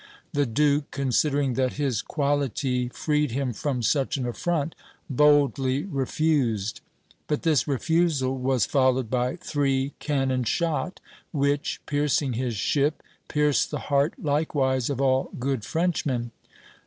The Duke, considering that his quality freed him from such an affront, boldly refused; but this refusal was followed by three cannon shot, which, piercing his ship, pierced the heart likewise of all good Frenchmen.